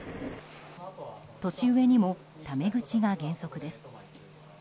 年上にも、ため口が原則です。